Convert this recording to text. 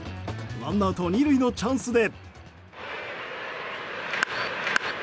ワンアウト２塁のチャンスで。